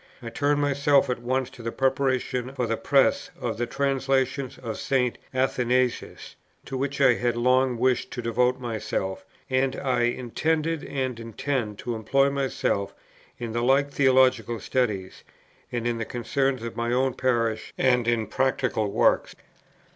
I turned myself at once to the preparation for the Press of the translations of St. Athanasius to which I had long wished to devote myself, and I intended and intend to employ myself in the like theological studies, and in the concerns of my own parish and in practical works.